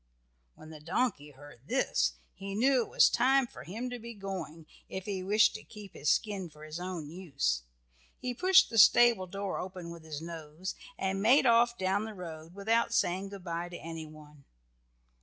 When the donkey heard this he knew it was time for him to be going, if he wished to keep his skin for his own use. He pushed the stable door open with his nose, and made off down the road without saying good by to anyone.